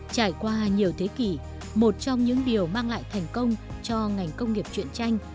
trải qua nhiều thế kỷ một trong những điều mang lại thành công cho ngành công nghiệp chuyện tranh